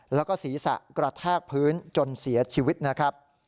แล้วก็ศีรษะกระแทกพื้นจนเสียชีวิตนะครับ